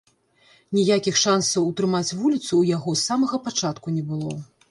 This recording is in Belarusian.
Ніякіх шансаў утрымаць вуліцу ў яго з самага пачатку не было.